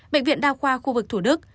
bệnh viện đa khoa khu vực thủ đức